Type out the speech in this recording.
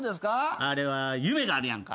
あれは夢があるやんか。